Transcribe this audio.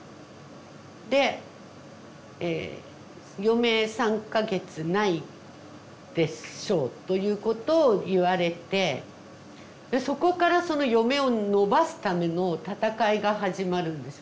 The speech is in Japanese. でえ「余命３か月ないでしょう」ということを言われてそこからその余命を延ばすための闘いが始まるんですよ。